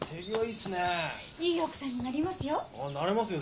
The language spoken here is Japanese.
いい奥さんになりますよ。